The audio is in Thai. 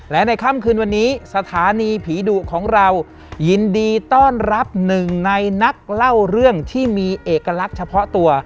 และในค่ำคืนวันนี้สถานีผีดุของเรายินดีต้อนรับหนึ่งในนักเล่าเรื่องที่มีเอกลักษณ์เฉพาะตัว